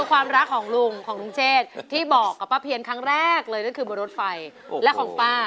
ของใหม่แบบนั้น